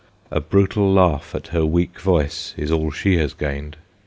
A brutal laugh at her weak voice is all she has gained.